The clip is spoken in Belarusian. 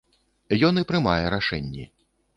Ён і прымае рашэнні.